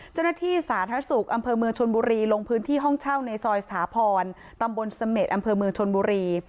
สาธารณสุขอำเภอเมืองชนบุรีลงพื้นที่ห้องเช่าในซอยสถาพรตำบลเสม็ดอำเภอเมืองชนบุรี